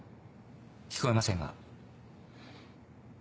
聞こえませんが。